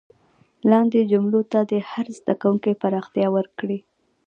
لاندې جملو ته دې هر زده کوونکی پراختیا ورکړي.